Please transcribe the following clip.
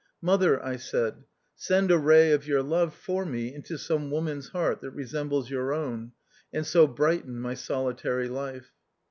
Mother, I said, send a ray of your love for me into some woman's heart that resembles your own, and so brighten my solitary life.